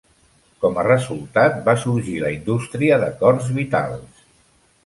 Com a resultat, va sorgir la indústria d'acords vitals.